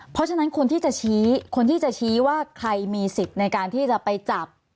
เพราะฉะนั้นคนที่จะชี้คนที่จะชี้ว่าใครมีสิทธิ์ในการที่จะไปจับ